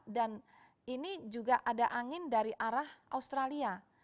ini juga ada angin dari arah australia